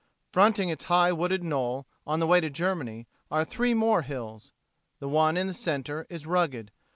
Fronting its high wooded knoll, on the way to Germany, are three more hills. The one in the center is rugged.